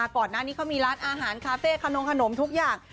ก่อนหน้านี้เขามีร้านอาหารคาเฟ่ขนมขนมทุกอย่าง